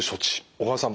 小川さん